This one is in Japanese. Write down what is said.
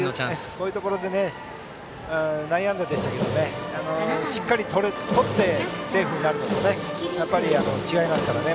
こういうところで内野安打でしたけどしっかりとってセーフになるのとでは違いますからね。